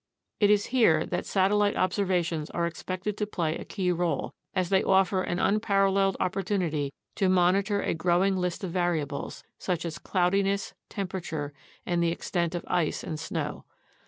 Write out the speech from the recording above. It is here that satellite observations are expected to play a key role, as they offer an unparalleled opportunity to monitor a growing list of variables, such as cloudiness, temperature, and the extent of ice and snow.